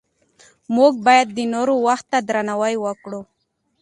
موږ باید د نورو وخت ته درناوی وکړو